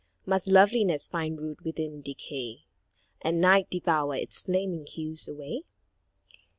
Must loveliness find root within decay, And night devour its flaming hues alway?